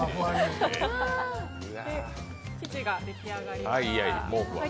生地が出来上がりました。